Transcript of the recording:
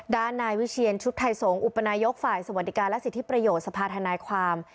ด้านนายวิเชียนชุดไทยสงศอุปนายกฝ่ายสวัสดิการและสิทธิประโยชน์สภาธนายความ